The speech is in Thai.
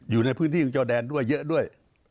อยู่ในพื้นที่ของจอแดนด้วยเยอะด้วย